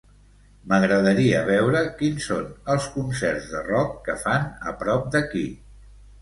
M'agradaria veure quins són els concerts de rock que fan a prop d'aquí.